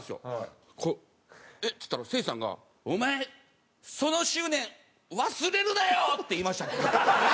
「えっ？」って言ったらせいじさんが「お前その執念忘れるなよ！」って言いましたよね。